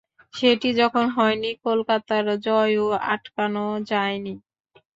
সেটি যখন হয়নি, কলকাতার জয়ও আটকানো যায়নি।